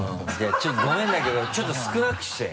ちょっとごめんだけどちょっと少なくして。